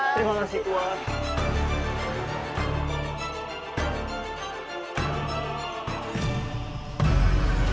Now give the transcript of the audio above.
terima kasih tuhan